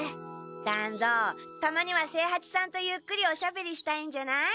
団蔵たまには清八さんとゆっくりおしゃべりしたいんじゃない？